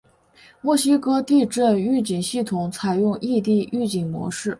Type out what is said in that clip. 墨西哥地震预警系统采用异地预警模式。